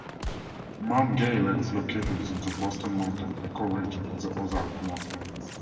Mount Gayler is located within the Boston Mountain ecoregion of the Ozark Mountains.